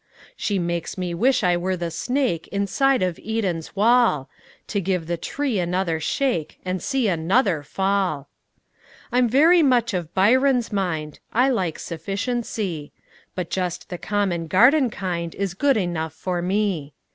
She makes me wish I were the snake Inside of Eden's wall, To give the tree another shake, And see another fall. I'm very much of Byron's mind; I like sufficiency; But just the common garden kind Is good enough for me.